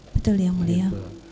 betul ya mulia